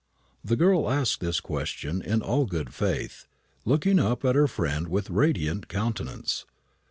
The girl asked this question in all good faith, looking up at her friend with a radiant countenance.